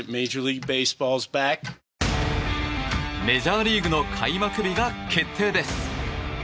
メジャーリーグの開幕日が決定です。